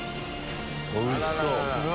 おいしそう！